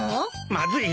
まずい！